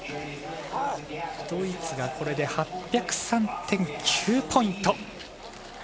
ドイツがこれで８０３．９ポイント。